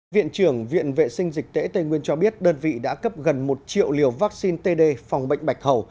viện trưởng viện vệ sinh dịch tễ tây nguyên cho biết đơn vị đã cấp gần một triệu liều vaccine td phòng bệnh bạch hầu